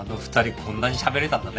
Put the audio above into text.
こんなにしゃべれたんだね。